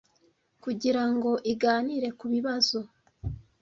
kugira ngo iganire ku bibazo